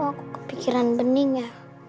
aku kepikiran bening ya